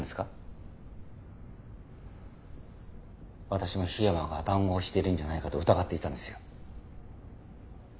私も樋山が談合をしているんじゃないかと疑っていたんですよ。